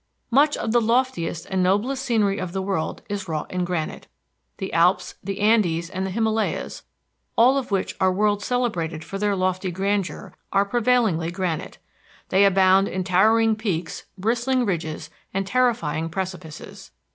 Much of the loftiest and noblest scenery of the world is wrought in granite. The Alps, the Andes, and the Himalayas, all of which are world celebrated for their lofty grandeur, are prevailingly granite. They abound in towering peaks, bristling ridges, and terrifying precipices.